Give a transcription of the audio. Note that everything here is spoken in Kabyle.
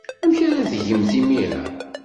Amek ara tgemt imir-a?